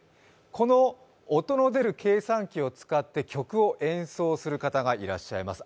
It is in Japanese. この音の出る計算機を使って曲を演奏する方がいらっしゃいます。